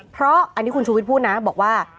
เพราะอันนี้คุณชูวิทย์พูดนะบอกว่า